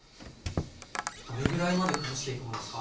どれぐらいまでくずしていくものですか？